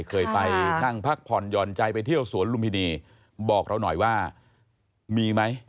เคยไปนั่งพักผ่อนหย่อนใจไปเที่ยวสวนลุมพินีบอกเราหน่อยว่ามีไหม